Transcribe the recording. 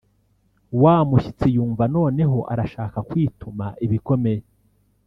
wa mushyitsi yumva noneho arashaka kwituma ibikomeye